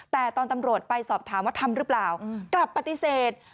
แต่ตอนตำรวจไปสอบถามว่าทำหรือเปล่ากลับปฏิเสธ